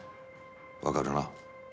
分かるな？